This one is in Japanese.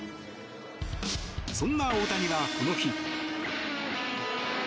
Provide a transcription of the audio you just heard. そんな大谷はこの日。